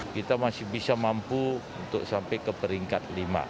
kita masih bisa mampu untuk sampai ke peringkat lima